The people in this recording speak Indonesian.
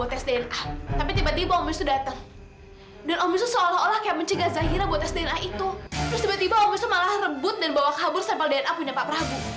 tiba tiba om wisnu malah rebut dan bawa kabur sampel dna punya pak prabu